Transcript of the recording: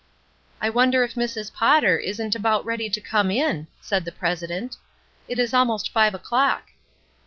"I wonder if Mrs. Potter isn't about ready to come in?" said the president; "it is almost five o'clock."